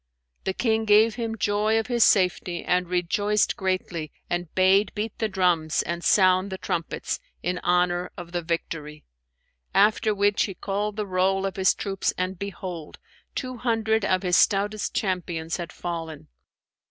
The King gave him joy of his safety and rejoiced greatly and bade beat the drums and sound the trumpets, in honour of the victory; after which he called the roll of his troops and behold, two hundred of his stoutest champions had fallen.